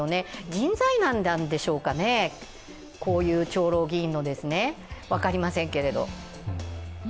人材難なんでしょうかね、こういう長老議員も、分かりませんけど。